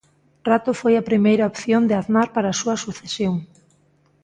Rato foi a primeira opción de Aznar para a súa sucesión.